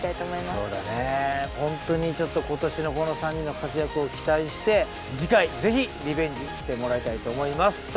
そうだねホントに今年のこの３人の活躍を期待して次回ぜひリベンジしてもらいたいと思います。